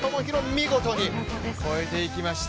見事に越えていきました。